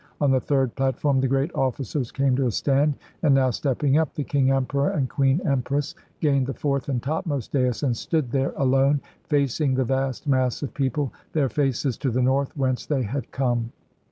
On the third platform the great officers came to a stand; and now stepping up, the King Emperor and Queen Empress gained the fourth and topmost dais and stood there, 255 INDIA alone, facing the vast mass of people, their faces to the North, whence they had come.